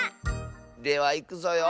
ではいくぞよ。